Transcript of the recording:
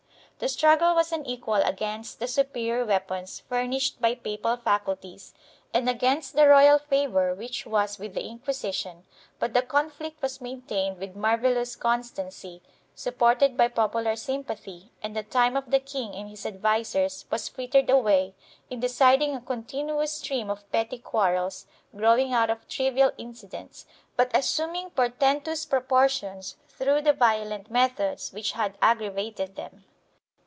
The struggle was unequal against the superior weapons furnished by papal faculties and against the royal favor which was with the Inqui sition, but the conflict was maintained with marvellous con stancy, supported by popular sympathy, and the time of the king and his advisers was frittered away in deciding a continuous stream of petty quarrels, growing out of trivial incidents, but assuming portentous proportions through the violent methods which had aggravated them.